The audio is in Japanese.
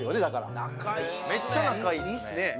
だからめっちゃ仲いいっすね